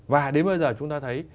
và đến bây giờ chúng ta thấy